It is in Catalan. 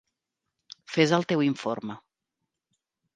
Fes el teu informe.